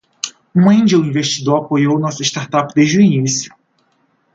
Um angel investor apoiou nossa startup desde o início.